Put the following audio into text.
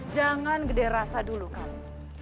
jangan gede rasa dulu kamu